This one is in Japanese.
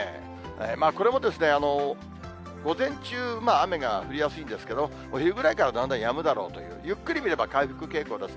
これも午前中、雨が降りやすいんですけど、お昼ぐらいからだんだんやむだろうという、ゆっくり見れば回復傾向です。